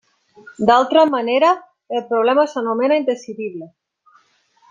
D'altra manera, el problema s'anomena indecidible.